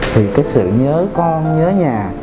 thì cái sự nhớ con nhớ nhà